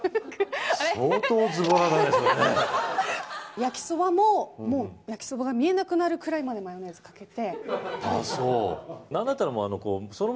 焼きそばも焼きそばが見えなくなるぐらいマヨネーズをかけて。